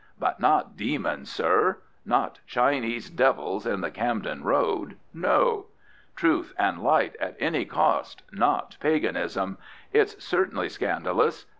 But not demons, sir; not Chinese devils in the Camden Road no. Truth and Light at any cost, not paganism. It's perfectly scandalous.